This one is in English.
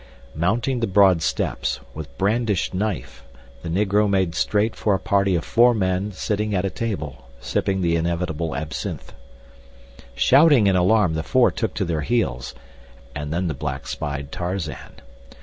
Mounting the broad steps, with brandished knife, the Negro made straight for a party of four men sitting at a table sipping the inevitable absinthe. Shouting in alarm, the four took to their heels, and then the black spied Tarzan.